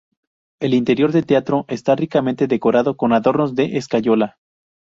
El interior del teatro está ricamente decorado con adornos de escayola.